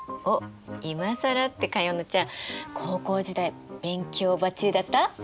おっいまさらって加弥乃ちゃん高校時代勉強ばっちりだった？